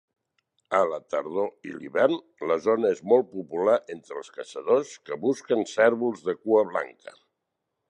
A la tardor i l'hivern, la zona és molt popular entre els caçadors que busquen cérvols de cua blanca.